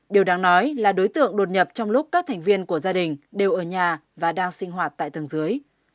điều đáng nói là đối tượng đột nhập trong lúc các thành viên của gia đình đều ở nhà và đang sinh hoạt tại tầng dưới